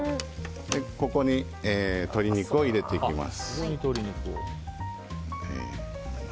ここに鶏肉を入れていきます。